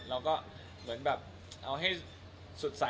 เราก็เหมือนแบบเอาให้สดใส